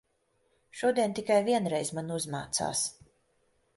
Šodien tikai vienreiz man uzmācās.